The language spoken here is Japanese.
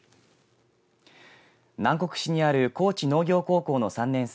南国市にある高知農業高校の３年生